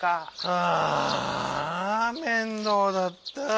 ああ面倒だった。